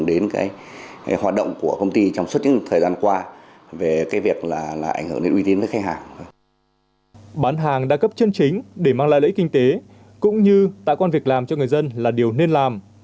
để mang lại lợi ích kinh tế cũng như tạ quan việc làm cho người dân là điều nên làm